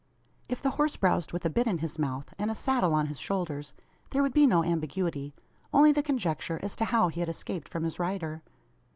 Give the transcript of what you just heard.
If the horse browsed with a bit in his mouth, and a saddle on his shoulders, there would be no ambiguity only the conjecture, as to how he had escaped from his rider.